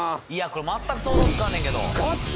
これ全く想像つかんねんけどガチ？